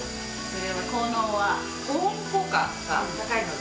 効能は保温効果が高いので。